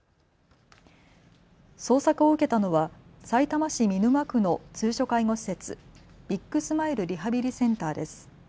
捜索を受けたのはさいたま市見沼区の通所介護施設ビッグスマイルリハビリセンターです。